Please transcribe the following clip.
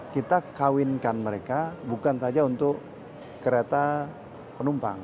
kita kawinkan mereka bukan saja untuk kereta penumpang